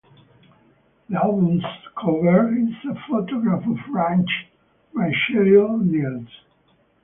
The album's cover is a photograph of Branch by Sheryl Nields.